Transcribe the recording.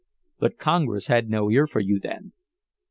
But Congress had no ear for you then.